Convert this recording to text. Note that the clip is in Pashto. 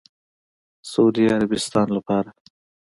سعودي عربستان لپاره